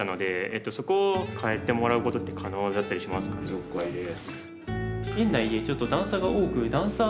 ・了解です。